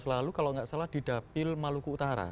lalu kalau nggak salah di dapil maluku utara